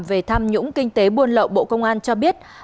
về tham nhũng kinh tế buôn lậu bộ công an cho biết